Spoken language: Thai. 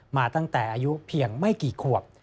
มาตั้งแต่อายุเพียงไม่กี่ขวบ